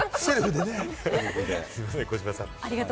すみません児嶋さん。